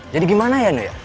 jadi gimana ya nuyar